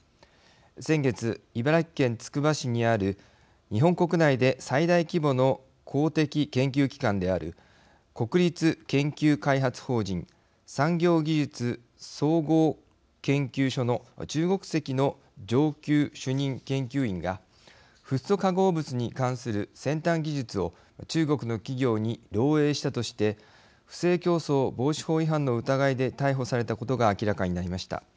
先月、茨城県つくば市にある日本国内で最大規模の公的研究機関である国立研究開発法人産業技術総合研究所の中国籍の上級主任研究員がフッ素化合物に関する先端技術を中国の企業に漏えいしたとして不正競争防止法違反の疑いで逮捕されたことが明らかになりました。